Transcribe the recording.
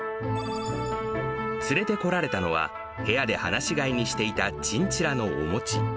連れてこられたのは、部屋で放し飼いにしていたチンチラのおもち。